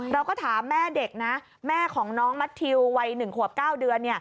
เราก็ถามแม่เด็กนะแม่ของน้องแมททิววัย๑ขวบ๙เดือน